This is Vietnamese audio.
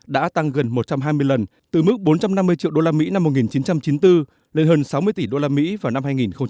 đã tăng gần một trăm hai mươi lần từ mức bốn trăm năm mươi triệu đô la mỹ năm một nghìn chín trăm chín mươi bốn lên hơn sáu mươi tỷ đô la mỹ vào năm hai nghìn một mươi tám